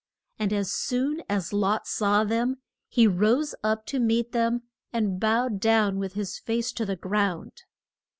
And as soon as Lot saw them he rose up to meet them and bowed down with his face to the ground.